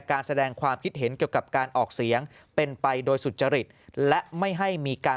การแสดงความคิดเห็นเกี่ยวกับการออกเสียงเป็นไปโดยสุจริตและไม่ให้มีการ